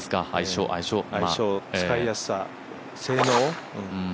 相性、使いやすさ、性能。